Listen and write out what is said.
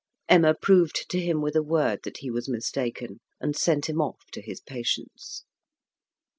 Emma proved to him with a word that he was mistaken, and sent him off to his patients.